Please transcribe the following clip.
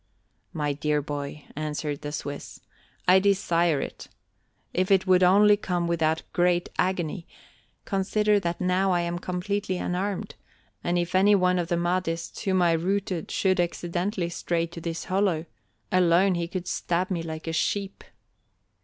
"My dear boy," answered the Swiss, "I desire it if it would only come without great agony; consider that now I am completely unarmed, and if any one of the Mahdists whom I routed should accidentally stray to this hollow, alone he could stab me like a sheep."